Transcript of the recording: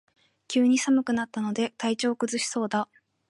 急に寒くなったので体調を崩しそうだ